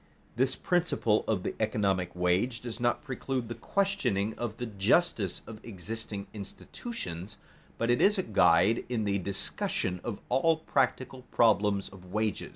This principle of the economic wage does not preclude the questioning of the justice of existing institutions, but it is a guide in the discussion of all practical problems of wages.